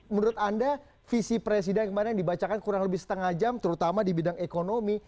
menurut anda visi presiden kemarin yang dibacakan kurang lebih setengah jam terutama di bidang ekonomi